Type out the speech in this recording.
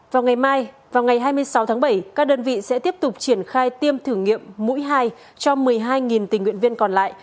vào ngày hai mươi sáu tháng bảy các đơn vị sẽ tiếp tục triển khai tiêm thử nghiệm mũi hai cho một mươi hai tình nguyện viên còn lại